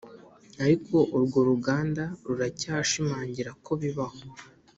ariko urwo ruganda ruracyashimangira ko bibaho